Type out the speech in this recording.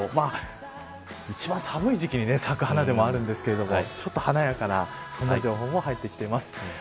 一番寒い時期に咲く花でもあるんですけれどもちょっと華やかなそんな情報も入ってきています。